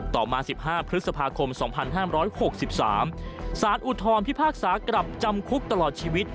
ต่อมา๑๕พฤษภาคม๒๕๖๓สารอุทธรพิพากษากลับจำคุกตลอดชีวิต